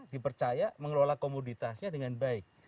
dipercaya mengelola komoditasnya dengan baik